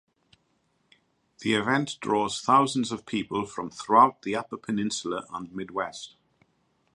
The event draws thousands of people from throughout the Upper Peninsula and Midwest.